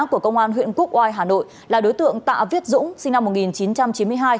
của công an huyện quốc oai hà nội là đối tượng tạ viết dũng sinh năm một nghìn chín trăm chín mươi hai